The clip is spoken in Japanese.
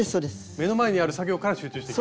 目の前にある作業から集中していく。